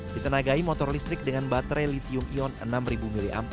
ditenagai motor listrik dengan baterai litium ion enam ribu m